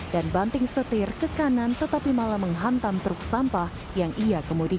dan banting setir ke kanan tetapi malah menghantam truk sampah yang ia kembali